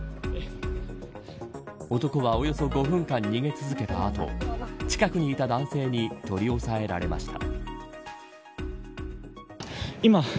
男はおよそ５分間逃げ続けた後近くにいた男性に取り押さえられました。